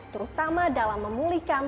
terutama dalam memulihkan